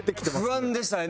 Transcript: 不安でしたね。